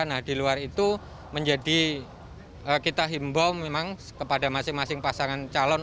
nah di luar itu menjadi kita himbau memang kepada masing masing pasangan calon